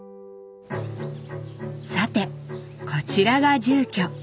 さてこちらが住居。